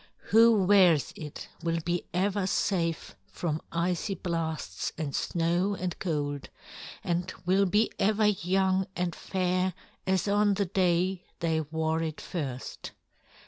Who wears it will be ever safe from icy blasts and snow and cold and will be ever young and fair as on the day they wore it first.